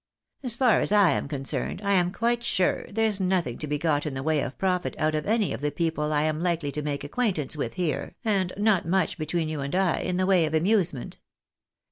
As far as I am concerned, I am quite sure there's nothing to be got in the way of profit out of any of the people I am likely to make acquaintance with here, and not much, between you and I, in the way of amusement.